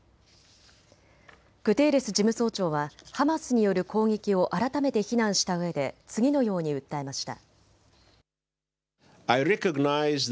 グテーレス事務総長はハマスによる攻撃を改めて非難したうえで次のように訴えました。